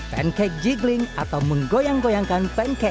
pancake jigling atau menggoyang goyangkan pancake